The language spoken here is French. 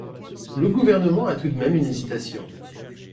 Le Gouvernement a tout de même une hésitation.